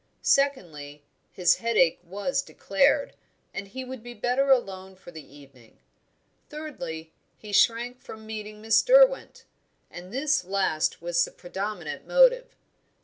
Secondly, his headache was declared, and he would be better alone for the evening. Thirdly, he shrank from meeting Miss Derwent. And this last was the predominant motive.